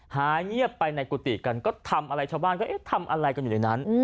หายเงียบไปในกุฏิกันก็ทำอะไรชาวบ้านก็เอ๊ะทำอะไรกันอยู่ในนั้น